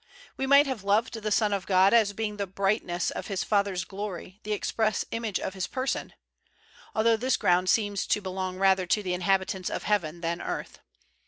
We might have loved the Son of God as being the "brightness of His Father's glory, the express image of His person'' (altho this ground seems to belong rather to the inhabitants of heaven than earth).